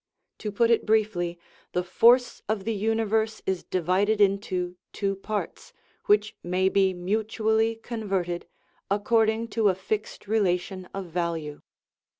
To put it brief ly, the force of the universe is divided into two parts, which may be mutually converted, according to a fixed relation of value.